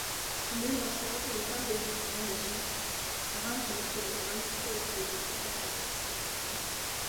Сумын бага сургуулийн улаан дээвэрт цагаан байшин, цагаан цоморлог улаан цэцэг адил үзэсгэлэнтэй харагдана.